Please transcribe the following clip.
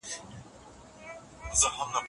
د ټولنې هر وګړی په سياست کې ونډه لري.